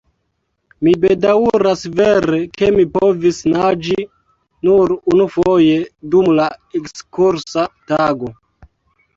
Mi bedaŭras vere, ke mi povis naĝi nur unufoje, dum la ekskursa tago.